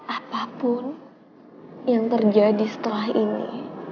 apapun yang terjadi setelah ini